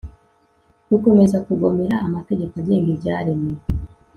Gukomeza kugomera amategeko agenga ibyaremwe